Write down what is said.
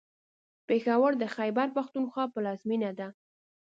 پېښور د خیبر پښتونخوا پلازمېنه ده.